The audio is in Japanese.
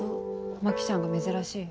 牧ちゃんが珍しい。